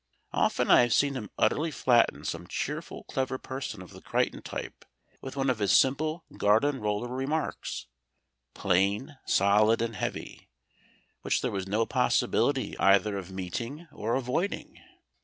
Often I have seen him utterly flatten some cheerful clever person of the Crichton type with one of his simple garden roller remarks plain, solid, and heavy, which there was no possibility either of meeting or avoiding.